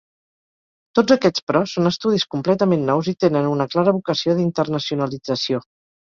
Tots aquests però, són estudis completament nous i tenen una clara vocació d’internacionalització.